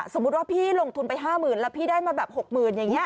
สมมุติว่าพี่ลงทุนไป๕๐๐๐แล้วพี่ได้มาแบบ๖๐๐๐อย่างนี้